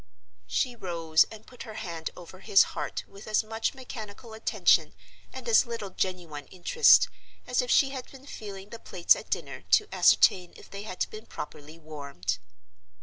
She rose and put her hand over his heart with as much mechanical attention and as little genuine interest as if she had been feeling the plates at dinner to ascertain if they had been properly warmed.